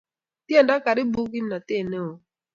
tiendo karibu kimnatet neoo